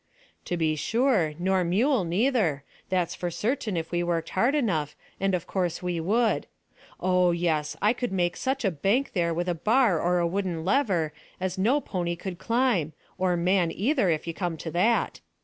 "To be sure, nor mule neither. That's for certain if we worked hard enough, and of course we would. Oh, yes; I could make such a bank there with a bar or a wooden lever as no pony could climb, or man either, if you come to that.